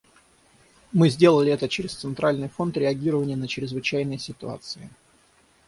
Мы сделали это через Центральный фонд реагирования на чрезвычайные ситуации.